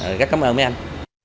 rất cảm ơn mấy anh